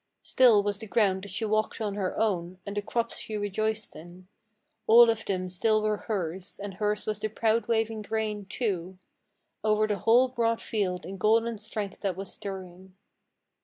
Still was the ground that she walked on her own; and the crops she rejoiced in, All of them still were hers, and hers was the proud waving grain, too, Over the whole broad field in golden strength that was stirring.